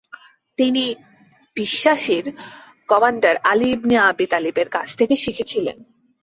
তিনি ''বিশ্বাসী''র commander Ali ibn Abi তালিবের কাছ থেকে শিখেছিলেন।